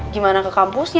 gimana ke kampusnya